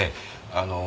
あの。